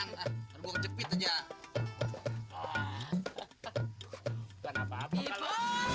bang ipun tunggu tegaja dirimu